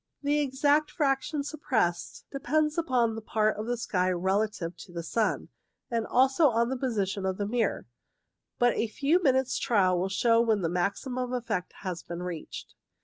The exact fraction suppressed depends upon the part of the sky relative to the sun, and also on the position of the mirror, but a few minutes' trial will show when the maximum effect has been reached.